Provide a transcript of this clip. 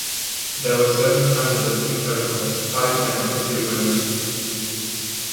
There were seven candidates in total, five men and two women.